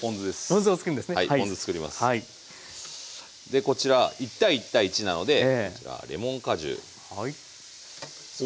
でこちら１：１：１なのでこちらレモン果汁。